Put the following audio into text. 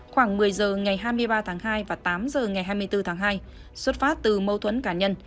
khoảng một mươi giờ ngày hai mươi ba tháng hai và tám h ngày hai mươi bốn tháng hai xuất phát từ mâu thuẫn cá nhân